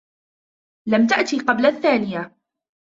لم تأت قبل الثانية.